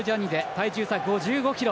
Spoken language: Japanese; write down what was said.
体重差は５５ｋｇ。